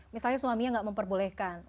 misalnya suaminya tidak memperbolehkan